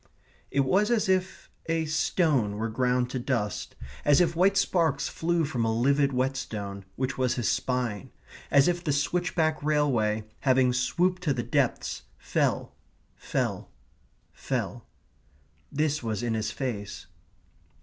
It was as if a stone were ground to dust; as if white sparks flew from a livid whetstone, which was his spine; as if the switchback railway, having swooped to the depths, fell, fell, fell. This was in his face.